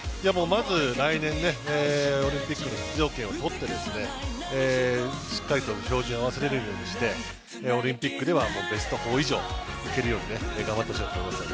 まず来年、オリンピックの出場権を取ってしっかりと照準を合わせられるようにしてオリンピックではベスト４を目指して頑張ってほしいと思います。